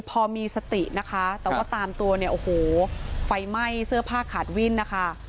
พอมีสตินะคะแต่ว่าตามตัวเนี่ยโอ้โหไฟไหม้เสื้อผ้าขาดวิ่นนะคะ